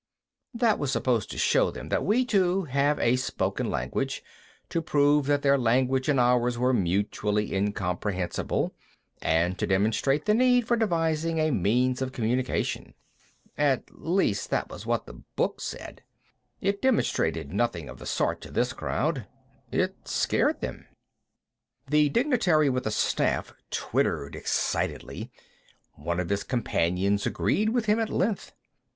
That was supposed to show them that we, too, have a spoken language, to prove that their language and ours were mutually incomprehensible, and to demonstrate the need for devising a means of communication. At least that was what the book said. It demonstrated nothing of the sort to this crowd. It scared them. The dignitary with the staff twittered excitedly. One of his companions agreed with him at length.